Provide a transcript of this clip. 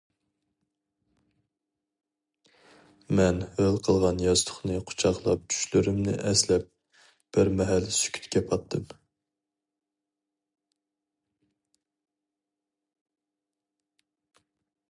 مەن ھۆل قىلغان ياستۇقنى قۇچاقلاپ چۈشلىرىمنى ئەسلەپ بىر مەھەل سۈكۈتكە پاتتىم.